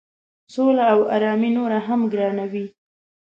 سوله او آرامي نوره هم ګرانوي.